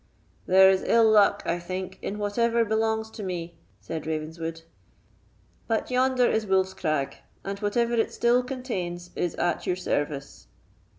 "There is ill luck, I think, in whatever belongs to me," said Ravenswood. "But yonder is Wolf's Crag, and whatever it still contains is at your service."